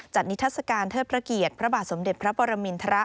นิทัศกาลเทิดพระเกียรติพระบาทสมเด็จพระปรมินทร